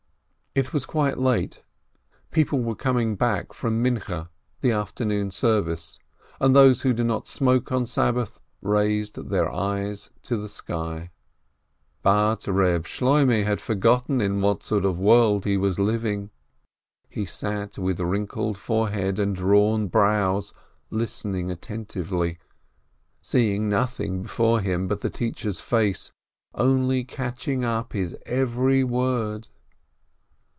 It was quite late; people were coming back from the Afternoon Service, and those who do not smoke on Sabbath, raised their eyes to the sky. But Reb Shloi meh had forgotten in what sort of world he was living. He sat with wrinkled forehead and drawn brows, listening attentively, seeing nothing before him but the teacher's face, only catching up his every word.